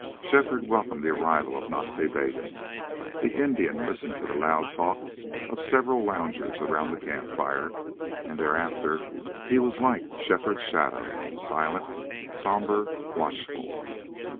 Shefford welcomed the arrival of Nas Ta Bega. The Indian listened to the loud talk of several loungers round the camp fire; and thereafter he was like Shefford's shadow, silent, somber, watchful.